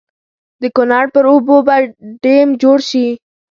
د کنړ پر اوبو به ډېم جوړ شي.